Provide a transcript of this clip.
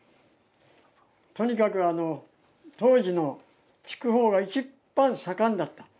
とにかく当時の筑豊が一番盛んだった。